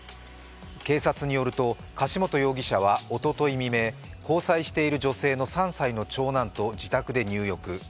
警察によると柏本容疑者はおととい未明、交際している女性の３歳の長男と自宅で入浴。